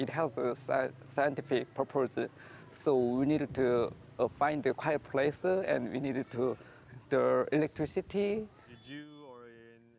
ini adalahhongga aed nodal prendsi dari barang barang terbitah untuk tindakan penduduk di nyaga dengan menggilung perangkap perhubungan